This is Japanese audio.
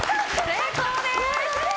成功です！